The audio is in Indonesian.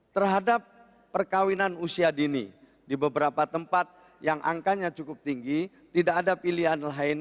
terhadap perkawinan usia dini di beberapa tempat yang angkanya cukup tinggi tidak ada pilihan lain